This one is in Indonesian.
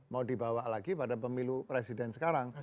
mau dibawa lagi pada pemilu presiden sekarang